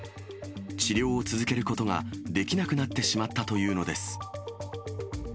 治療を続けることができなくなってしまったというのです。